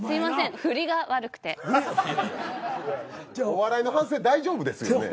お笑いの反省大丈夫ですよ。